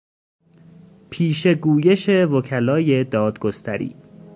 پیشه گویش وکلای دادگستری